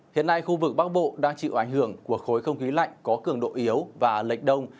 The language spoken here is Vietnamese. hiện nay khu vực bắc bộ đang chịu ảnh hưởng của khối không khí lạnh có cường độ yếu và lệch đông